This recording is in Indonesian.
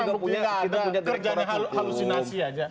kerjanya halusinasi aja